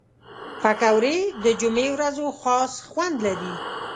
پکورې د جمعې ورځو خاص خوند لري